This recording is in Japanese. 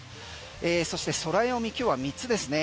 そして空読み今日は三つですね。